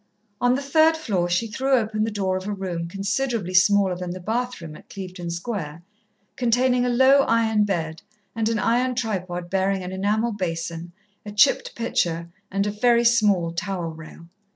On the third floor she threw open the door of a room considerably smaller than the bath room at Clevedon Square, containing a low iron bed, and an iron tripod bearing an enamel basin, a chipped pitcher and a very small towel rail.